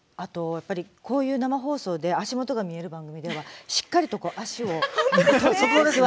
やっぱりこういう生放送で足元が見える番組ではしっかりと足を閉じて座るという。